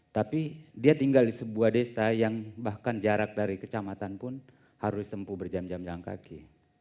tapi dia tinggal di sebuah desa yang bahkan jarak dari kecamatan pun harus sempuh berjam jam kaki